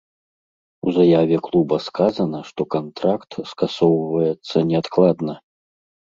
У заяве клуба сказана, што кантракт скасоўваецца неадкладна.